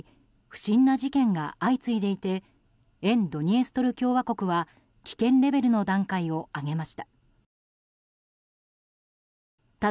不審な事件が相次いでいて沿ドニエストル共和国は危険レベルの段階を上げました。